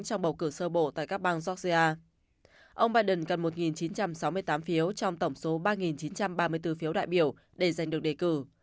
trong bầu cử sơ bộ tại các bang georgia ông biden cần một chín trăm sáu mươi tám phiếu trong tổng số ba chín trăm ba mươi bốn phiếu đại biểu để giành được đề cử